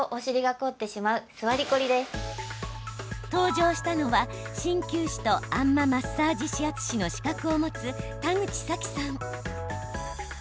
登場したのは、しんきゅう師とあん摩マッサージ指圧師の資格を持つ、田口咲さん。